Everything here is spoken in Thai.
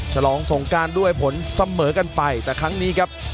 ฉลองสงการด้วยผลเสมอกันไปแต่ครั้งนี้ครับ